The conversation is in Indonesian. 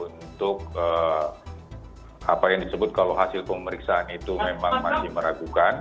untuk apa yang disebut kalau hasil pemeriksaan itu memang masih meragukan